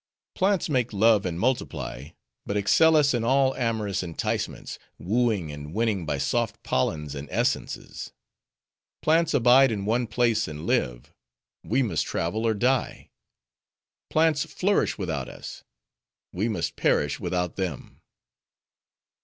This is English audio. Plants make love and multiply; but excel us in all amorous enticements, wooing and winning by soft pollens and essences. Plants abide in one place, and live: we must travel or die. Plants flourish without us: we must perish without them."